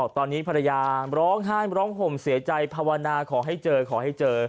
ตอนนี้ภรรยาร้องไห้ร้องห่มเสียใจภาวนาขอให้เจอขอให้เจอ